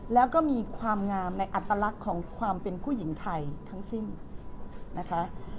แล้วก็มีความงามในอัตลักษณ์ของความเป็นผู้หญิงไทยทั้งสิ้นนะคะ